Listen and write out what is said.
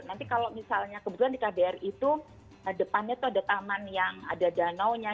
nanti kalau misalnya kebetulan di kbr itu depannya tuh ada taman yang ada danaunya